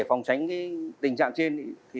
phòng tránh cái tình trạng trên thì